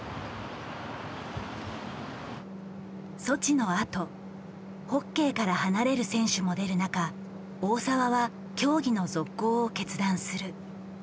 ソチのあとホッケーから離れる選手も出る中大澤は競技の続行を決断する。